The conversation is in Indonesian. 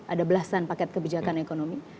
ada belasan paket kebijakan ekonomi